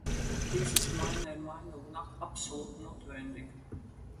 Dies ist meiner Meinung nach absolut notwendig.